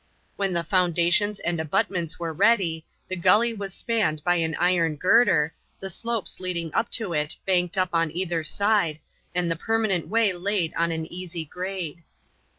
When the foundations and abutments were ready, the gully was spanned by an iron girder, the slopes leading up to it banked up on either side, and the permanent way laid on an easy grade.